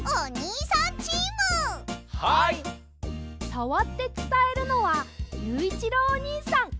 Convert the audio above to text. さわってつたえるのはゆういちろうおにいさん！